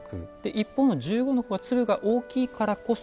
一方の十五の方は粒が大きいからこそ。